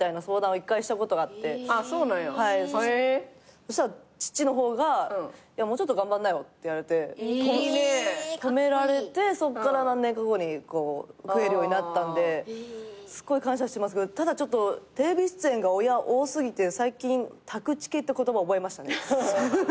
そしたら父の方が「もうちょっと頑張んなよ」って言われて止められてそっから何年か後に食えるようになったんですっごい感謝してますけどただテレビ出演が親多すぎて最近タクチケって言葉覚えましたね。